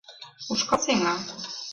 — Ушкал сеҥа.